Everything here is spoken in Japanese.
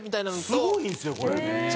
すごいんですよこれ。